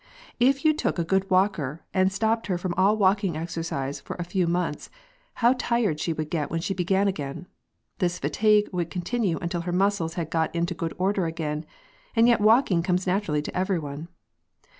If you took a good walker and stopped her from all walking exercise for a few months, how tired she would get when she began again. This fatigue would continue until her muscles had got into good order again, and yet walking comes naturally to everyone.